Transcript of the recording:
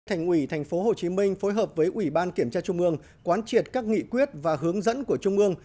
thành ủy tp hcm phối hợp với ủy ban kiểm tra trung ương quán triệt các nghị quyết và hướng dẫn của trung ương